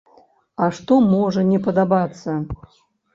А што можа не падабацца?